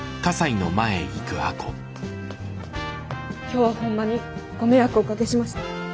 今日はほんまにご迷惑をおかけしました。